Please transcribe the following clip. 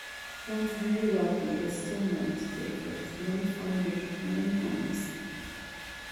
Once very wealthy, it is still known today for its many fine Victorian homes.